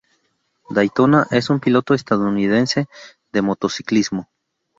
Daytona, es un piloto estadounidense de motociclismo.